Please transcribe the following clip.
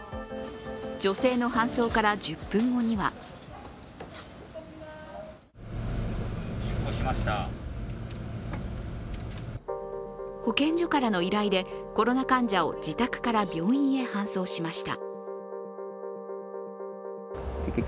女性の搬送から１０分後には保健所からの依頼でコロナ患者を自宅から病院へ搬送しました。